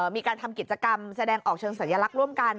มีการทำกิจกรรมแสดงออกเชิงสัญลักษณ์ร่วมกัน